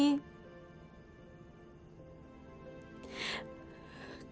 ke rumah ini